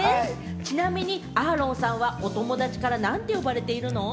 ちなみにアーロンさんはお友達から、なんて呼ばれているの？